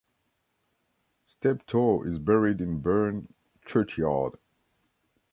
Steptoe is buried in Bourn churchyard.